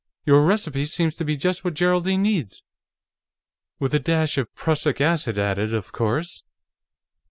"Your recipe seems to be just what Geraldine needs. With a dash of prussic acid added, of course."